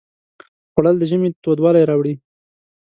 خوړل د ژمي تودوالی راوړي